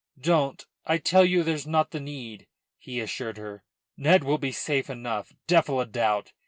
"Don't I tell you there's not the need?" he assured her. "Ned will be safe enough, devil a doubt.